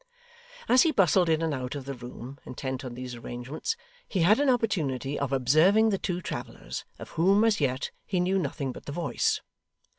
As he bustled in and out of the room, intent on these arrangements, he had an opportunity of observing the two travellers, of whom, as yet, he knew nothing but the voice.